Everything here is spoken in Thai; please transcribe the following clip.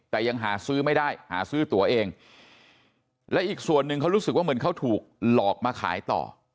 แต่ยังหาซื้อไม่ได้หาซื้อตัวเองและอีกส่วนหนึ่งเขารู้สึกว่าเหมือนเขาถูกหลอกมาขายต่อ